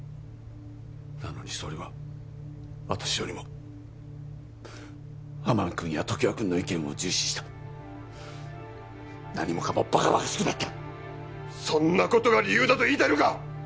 なのに総理は私よりも天海君や常盤君の意見を重視した何もかもばかばかしくなったそんなことが理由だと言いたいのか！？